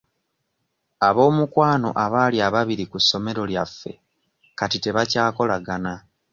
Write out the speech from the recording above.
Ab'omukwano abaali ababiri ku ssomero lyaffe kati tebakyakolagana.